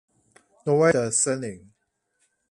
挪威的森林